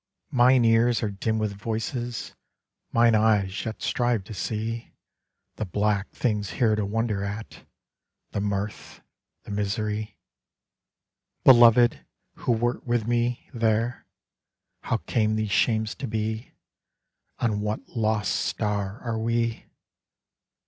_ _Mine ears are dim with voices; Mine eyes yet strive to see The black things here to wonder at, The mirth, the misery. Beloved, who wert with me there, How came these shames to be? On what lost star are we?